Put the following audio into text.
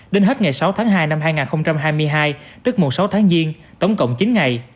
đến hết ngày sáu tháng hai năm hai nghìn hai mươi hai tức mùng sáu tháng giêng tổng cộng chín ngày